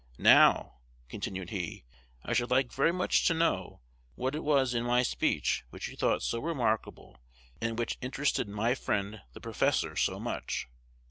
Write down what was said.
"Now," continued he, "I should like very much to know what it was in my speech which you thought so remarkable, and which interested my friend the professor so much?"